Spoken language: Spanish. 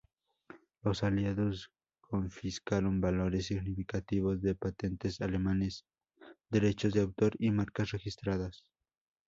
Los aliados confiscaron valores significativos de patentes alemanas, derechos de autor y marcas registradas.